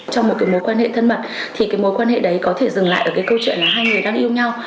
trong một cái mối quan hệ thân mật thì cái mối quan hệ đấy có thể dừng lại ở cái câu chuyện là hai người đang yêu nhau